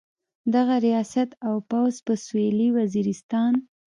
دغه ریاست او فوځ په سویلي وزیرستان.